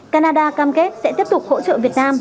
canada cam kết sẽ tiếp tục hỗ trợ việt nam